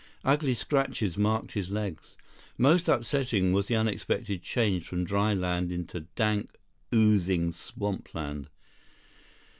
Ugly scratches marked his legs. Most upsetting was the unexpected change from dry land into dank, oozing swampland.